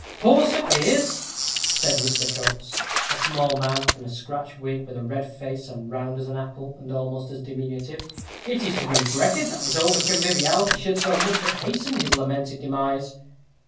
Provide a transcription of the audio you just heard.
"Poor Sir Piers!" said Mr. Coates, a small man, in a scratch wig, with a face red and round as an apple, and almost as diminutive. "It is to be regretted that his over conviviality should so much have hastened his lamented demise."